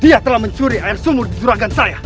dia telah mencuri air sumur di juragan saya